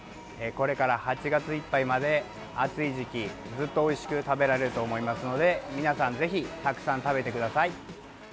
これから８月いっぱいまで暑い時期、ずっとおいしく食べられると思いますので皆さん、ぜひたくさん食べてください。